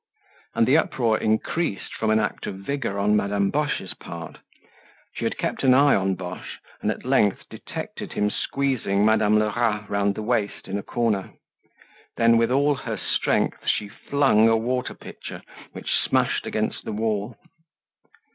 And the uproar increased from an act of vigor on Madame Boche's part. She had kept an eye on Boche, and at length detected him squeezing Madame Lerat round the waist in a corner. Then, with all her strength, she flung a water pitcher, which smashed against the wall.